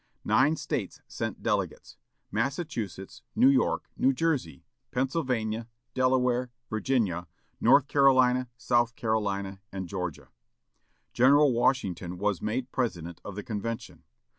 Nine States sent delegates: Massachusetts, New York, New Jersey, Pennsylvania, Delaware, Virginia, North Carolina, South Carolina, and Georgia. General Washington was made president of the convention.